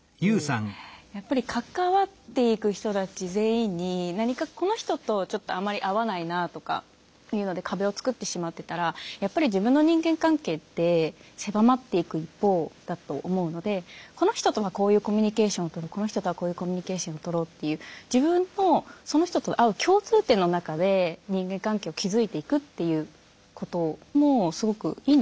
やっぱり関わっていく人たち全員に何かこの人とちょっとあまり合わないなとかいうので壁を作ってしまってたらやっぱり自分の人間関係って狭まっていく一方だと思うのでこの人とはこういうコミュニケーションを取るこの人とはこういうコミュニケーションを取ろうっていうっていうこともすごくいいのかなと思います。